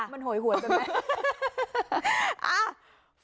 มันโหยหวนกันไหม